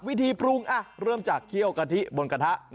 วิธีปรุงเริ่มจากเคี่ยวกะทิบนกระทะ